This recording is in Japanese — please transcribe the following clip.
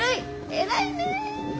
偉いねえ。